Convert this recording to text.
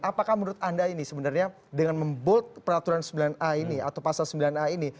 apakah menurut anda ini sebenarnya dengan membold peraturan sembilan a ini atau pasal sembilan a ini